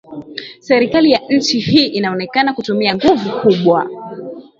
serikali ya nchi hii inaonekana kutumia nguvu kubwa